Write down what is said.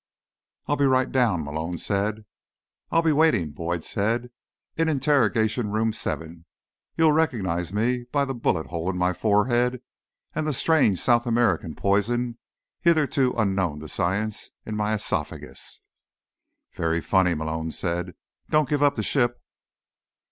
"I'll be right down," Malone said. "I'll be waiting," Boyd said. "In Interrogation Room 7. You'll recognize me by the bullet hole in my forehead and the strange South American poison, hitherto unknown to science, in my esophagus." "Very funny," Malone said. "Don't give up the ship."